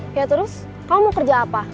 ya terus kamu mau kerja apa